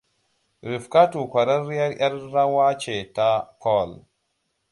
Rifkatu ƙwararriyar ƴar rawa ce ta pole.